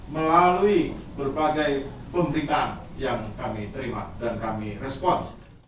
melalui berbagai pemberitaan yang kami terima dan kami respon